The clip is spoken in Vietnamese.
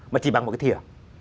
mà chỉ bằng một cái thỉa